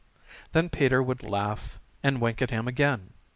Then Peter would laugh and wink at him again.